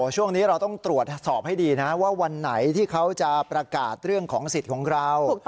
ช่วงนี้เราต้องตรวจสอบให้ดีนะว่าวันไหนที่เขาจะประกาศเรื่องของสิทธิ์ของเรา